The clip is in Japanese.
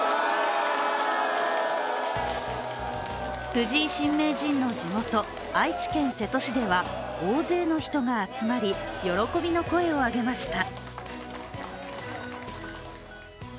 藤井新名人の地元・愛知県瀬戸市では大勢の人が集まり、喜びの声を上げました。